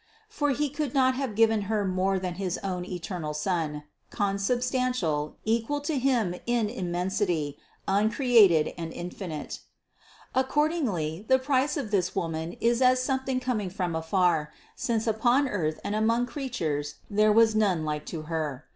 For He could not have given Her more than his own eternal Son, consubstantial, equal to Him in immensity, un created and infinite. 773. Accordingly the price of this Woman is as some thing coming from afar, since upon earth and among creatures there was none like to Her.